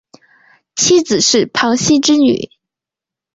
妻子是庞羲之女。